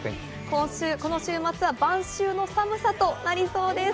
今週、この週末は晩秋の寒さとなりそうです。